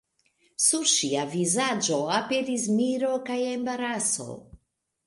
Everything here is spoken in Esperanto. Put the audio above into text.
Sur ŝia vizaĝo aperis miro kaj embaraso.